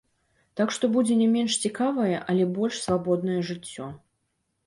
Так што будзе не менш цікавае, але больш свабоднае жыццё.